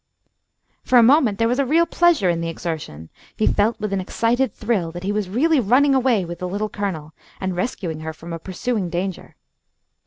For a moment there was a real pleasure in the exertion. He felt with an excited thrill that he was really running away with the Little Colonel, and rescuing her from a pursuing danger.